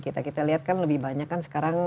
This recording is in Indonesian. kita kita lihat kan lebih banyak kan sekarang